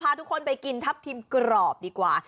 ทุกคนไปกินทับทิมกรอบดีกว่า